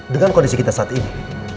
dengan kondisi kita saat ini